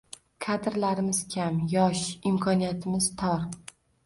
Kadrlarimiz kam, yosh, imkoniyatimiz tor.